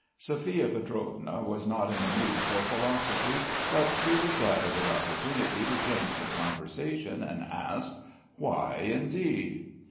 Sophia Pietrovna was not in the mood for philosophy; but she was glad of the opportunity to change the conversation and asked: "Why indeed?"